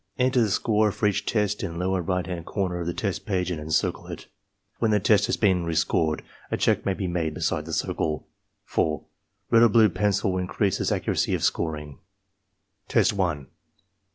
Enter the score for each test in lower right hand corner of the test page and encircle it. When the test has been re scored a check may be made beside the circle. 4. Red or blue pencil increases accuracy of scoring. Test 1 1.